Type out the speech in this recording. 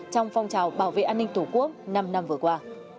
trong phong trào bảo vệ an ninh tổ quốc năm năm vừa qua